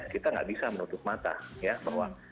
kita tidak bisa menutup mata